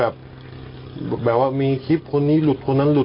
เป็นลักษณะแบบเดียวกันเลย